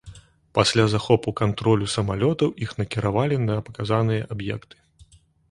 Пасля захопу кантролю самалётаў іх накіравалі на паказаныя аб'екты.